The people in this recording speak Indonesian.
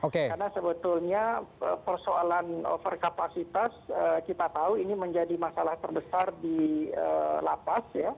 karena sebetulnya persoalan over capacity kita tahu ini menjadi masalah terbesar di lapas